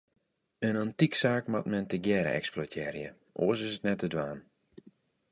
In antyksaak moat men tegearre eksploitearje, oars is it net te dwaan.